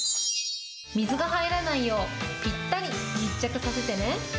水が入らないよう、ぴったり密着させてね。